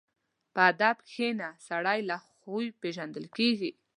په ادب کښېنه، سړی له خوی پېژندل کېږي.